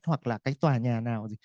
hoặc là cái tòa nhà nào gì